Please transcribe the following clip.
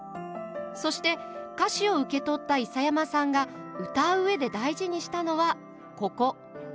そして歌詞を受け取った諫山さんが歌う上で大事にしたのはここ。